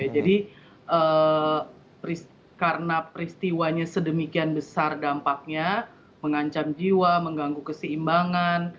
jadi karena peristiwanya sedemikian besar dampaknya mengancam jiwa mengganggu keseimbangan